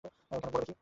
কেন বলো দেখি।